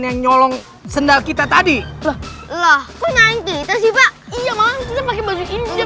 yang nyolong sendal kita tadi lah lah pengen kita sih pak iya malam kita pakai baju ini